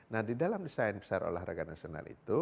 nah di dalam desain besar olahraga nasional itu